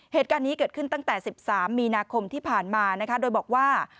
เหตุการณ์นี้เกิดขึ้นตั้งแต่๑๓มีนาคมที่ผ่านมานะคะโดยบอกว่า